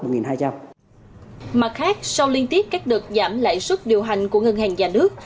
mặt khác sau liên tiếp các đợt giảm lãi suất điều hành của ngân hàng nhà nước